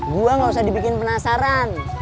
gue gak usah dibikin penasaran